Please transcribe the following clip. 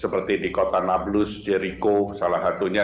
seperti di kota nablus jeriko salah satunya